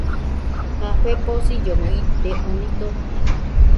Café posillomo ite , oni tota